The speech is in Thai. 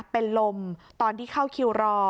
เป็นลมตอนที่เข้าคิวรอ